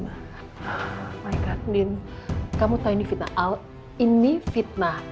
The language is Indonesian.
oh my god din kamu tahu ini fitnah ini fitnah